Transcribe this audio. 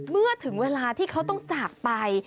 เมื่อถึงเวลาที่เขาต้องจากไป